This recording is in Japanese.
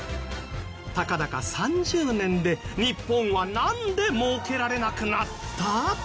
たかだか３０年で日本はなんで儲けられなくなった？